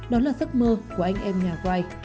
đó là giấc mơ của anh em nhà white